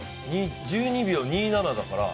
１２秒２７だから。